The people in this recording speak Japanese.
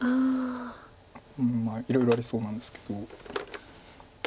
うんまあいろいろありそうなんですけど。